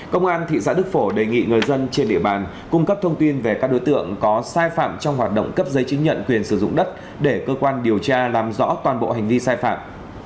công an thị xã đức phổ đề nghị người dân trên địa bàn cung cấp thông tin về các đối tượng có sai phạm trong hoạt động cấp giấy chứng nhận quyền sử dụng đất để cơ quan điều tra làm rõ toàn bộ hành vi sai phạm